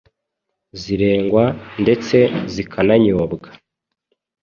zirengwa ndetse zikananyobwa.